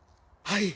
はい。